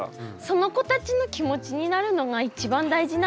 その子たちの気持ちになるのが一番大事なんだなと思って。